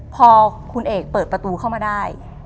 พอคุณเอกเปิดประตูเข้ามาได้